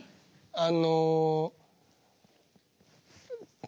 あの。